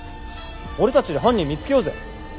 俺たちで犯人見つけようぜ。